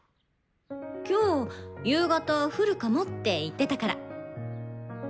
今日夕方降るかもって言ってたから念のため。